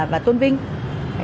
và tôn vinh